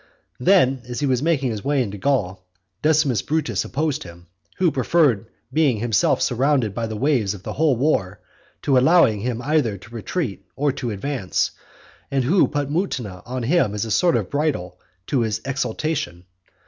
Then, as he was making his way into Gaul, Decimus Brutus opposed him; who preferred being himself surrounded by the waves of the whole war, to allowing him either to retreat or advance; and who put Mutina on him as a sort of bridle to his exultation.